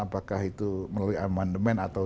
apakah itu melalui amandemen atau